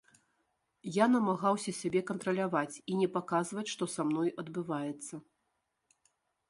Я намагаўся сябе кантраляваць і не паказваць, што са мной адбываецца.